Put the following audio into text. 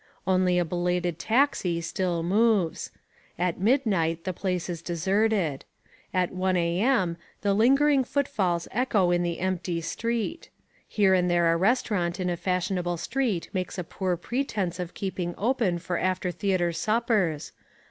Only a belated taxi still moves. At midnight the place is deserted. At 1 A.M., the lingering footfalls echo in the empty street. Here and there a restaurant in a fashionable street makes a poor pretence of keeping open for after theatre suppers.